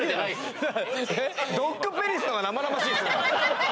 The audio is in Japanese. ドッグペニスのが生々しいですよね